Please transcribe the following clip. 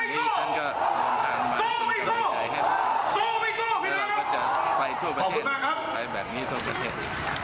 ก็จะไปทั่วประเทศครับขอบคุณมากครับไปแบบนี้ทั่วประเทศ